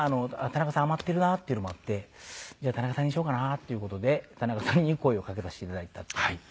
田中さん余ってるなっていうのもあってじゃあ田中さんにしようかなっていう事で田中さんに声をかけさせていただいたっていう。